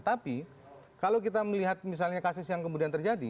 tapi kalau kita melihat misalnya kasus yang kemudian terjadi